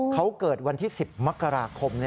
เขาเกิดวันที่๑๐มกราคม